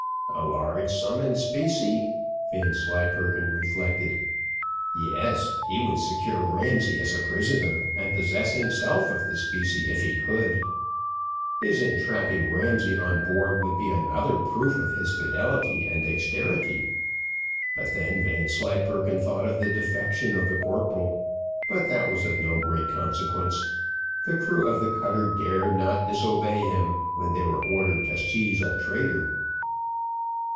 "A large sum in specie?" Vanslyperken reflected. "Yes, he would secure Ramsay as a prisoner, and possess himself of the specie if he could. His entrapping Ramsay on board would be another proof of his fidelity and dexterity. But then Vanslyperken thought of the defection of the corporal, but that was of no great consequence. The crew of the cutter dare not disobey him, when they were ordered to seize a traitor."